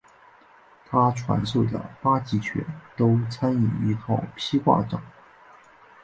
他传授的八极拳都参以一套劈挂掌。